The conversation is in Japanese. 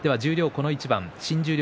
この一番新十両